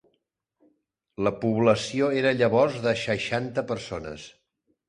La població era llavors de seixanta persones.